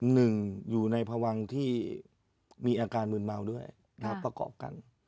หนึ่งอยู่ในพวังที่มีอาการมืนเมาด้วยนะครับประกอบกัน